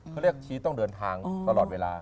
เขาเรียกชี้ต้องเดินทางตลอดเวลา